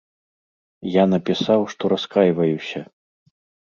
Я напісаў, што раскайваюся.